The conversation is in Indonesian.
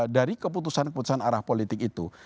dari keputusan keputusan arah politik itu